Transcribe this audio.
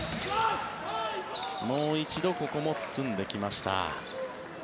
もう一度ここも包んできました。